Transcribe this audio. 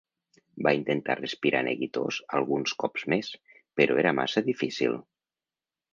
Va intentar respirar neguitós alguns cops més però era massa difícil.